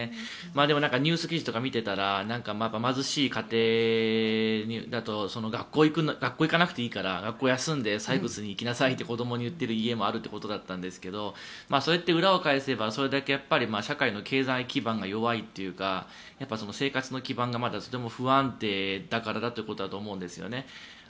でも、ニュース記事を見ていたら貧しい家庭だと学校に行かなくていいから学校を休んで採掘に行きなさいと子どもに言っている家もあるということでしたがそれって裏を返せばそれだけ社会の経済基盤が弱いというか生活の基盤がまだとても不安定だからということだと思うんですよね。